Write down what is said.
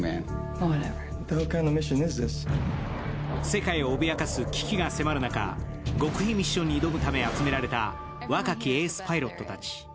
世界を脅かす危機が迫る中、極秘ミッションに挑むため集められた若きエースパイロットたち。